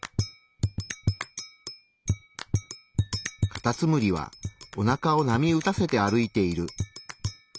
カタツムリはおなかを波打たせて歩いている。